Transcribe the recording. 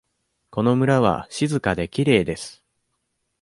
この村は静かできれいです。